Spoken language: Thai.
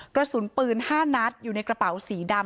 กระสุนปืน๕นัดอยู่ในกระเป๋าสีดำ